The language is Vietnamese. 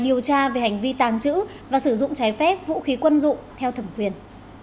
điều tra về hành vi tàng trữ và sử dụng trái phép vũ khí quân dụng theo thẩm quyền